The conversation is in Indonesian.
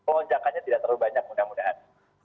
lonjakannya tidak terlalu banyak mudah mudahan